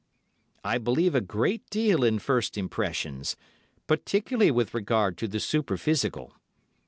I believe a great deal in first impressions, particularly with regard to the superphysical.